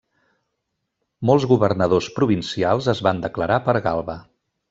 Molts governadors provincials es van declarar per Galba.